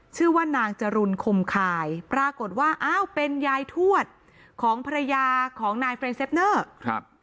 ชื่อว่านางจรุลคมคายปรากฏว่าอ้าวเป็นยายทวดของภรรยาของนายเฟรนเซฟเนอร์ครับ